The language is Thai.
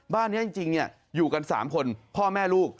บ้านนี้จริงอยู่กัน๓คนพ่อแม่ลูก